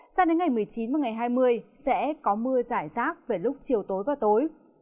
sao đến ngày một mươi chín và ngày hai mươi sẽ có mưa giải rác về lúc chiều tối và tối